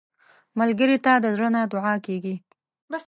ملګری ته د زړه نه دعا کېږي